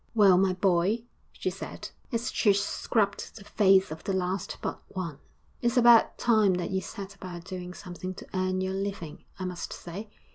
'Well, my boy,' she said, as she scrubbed the face of the last but one, 'it's about time that you set about doing something to earn your living, I must say.